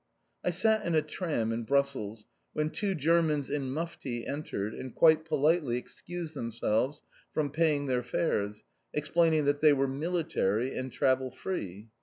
I sat in a tram in Brussels when two Germans in mufti entered and quite politely excused themselves from paying their fares, explaining that they were "military" and travel free.